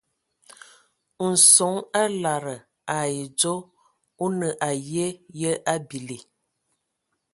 Nson o lada ai dzɔ o nə aye yə a bili.